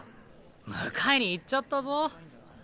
迎えに行っちゃったぞ。